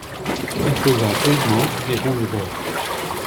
On posa rudement les rouges bords.